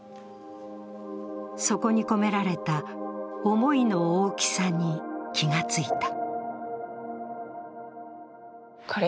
そこに込められた思いの大きさに気がついた。